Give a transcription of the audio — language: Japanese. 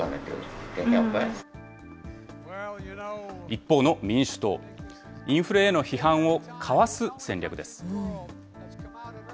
一方の民主党、インフレへの批判をかわす戦略です。